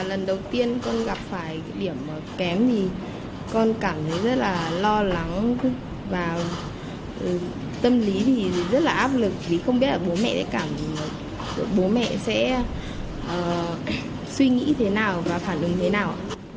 lần đầu tiên con gặp phải điểm kém thì con cảm thấy rất là lo lắng và tâm lý thì rất là áp lực vì không biết là bố mẹ sẽ cảm bố mẹ sẽ suy nghĩ thế nào và phản ứng thế nào ạ